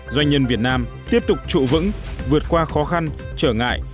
doanh nhân việt nam tiếp tục trụ vững vượt qua khó khăn trở ngại